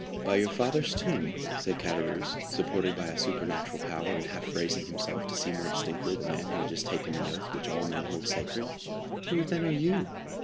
"By your father's tomb!" said Caderousse, supported by a supernatural power, and half raising himself to see more distinctly the man who had just taken the oath which all men hold sacred; "who, then, are you?"